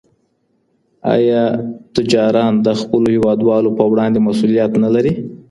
ایا تجاران د خپلو هېوادوالو په وړاندې مسوولیت نه لري؟